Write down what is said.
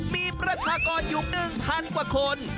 มีประชากรอยู่หนึ่งพันกว่าคน